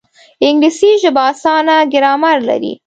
انګلیسي ژبه اسانه ګرامر لري